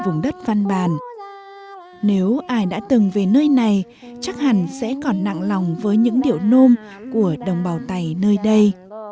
nếu ai đã từng về nơi này chắc hẳn sẽ còn nặng lòng với những điệu nôm của đồng bào tày nơi đây